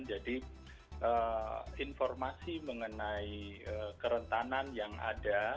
jadi informasi mengenai kerentanan yang ada